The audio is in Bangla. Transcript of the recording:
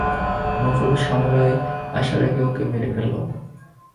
নতুন সামুরাই আসার আগে ওকে মেরে ফেলো।